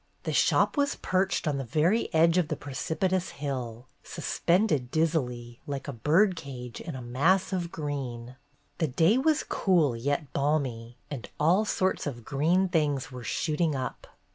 The shop was perched on the very edge of the precipitous hill, sus pended dizzily, like a bird cage in a mass of green. The day was cool yet balmy, and all sorts of green things were shooting up.